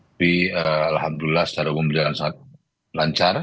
tapi alhamdulillah secara umum berjalan sangat lancar